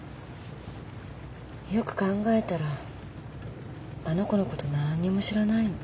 よく考えたらあの子のこと何にも知らないの。